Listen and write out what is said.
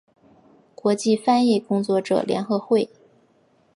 国际翻译工作者联合会